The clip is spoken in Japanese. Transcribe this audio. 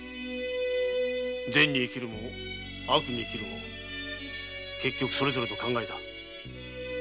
善に生きるも悪に生きるも結局それぞれの考えだ。